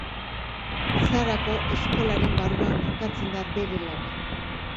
Sarako Eskolaren barruan kokatzen da bere lana.